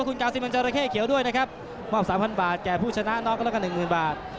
ขอบคุณกาวซิมังเจอราเข้เขียวด้วยนะครับมอบ๓๐๐๐บาทแก่ผู้ชนะน็อกก็ละกัน๑๐๐๐๐บาท